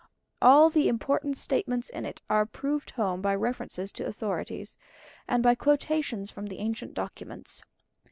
All the important statements in it are proved home by references to authorities, and by quotations from ancient documents.